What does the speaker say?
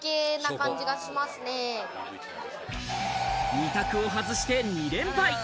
２択を外して２連敗。